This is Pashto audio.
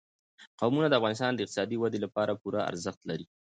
قومونه د افغانستان د اقتصادي ودې لپاره پوره ارزښت لري.